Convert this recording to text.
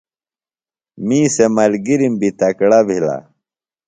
می سےۡ ملگِرم بیۡ تکڑہ بھِلہ